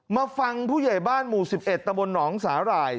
มาฟังผู้ใหญ่บ้านหมู่๑๑ตะบนหนองสาหร่าย